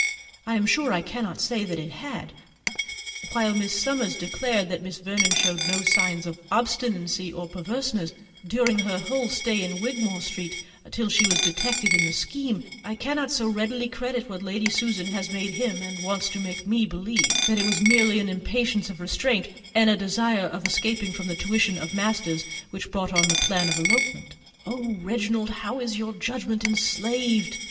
I am sure I cannot say that it had, but while Miss Summers declares that Miss Vernon showed no signs of obstinacy or perverseness during her whole stay in Wigmore Street, till she was detected in this scheme, I cannot so readily credit what Lady Susan has made him, and wants to make me believe, that it was merely an impatience of restraint and a desire of escaping from the tuition of masters which brought on the plan of an elopement. O Reginald, how is your judgment enslaved!